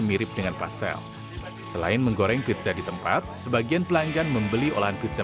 mirip dengan pastel selain menggoreng pizza di tempat sebagian pelanggan membeli olahan pizza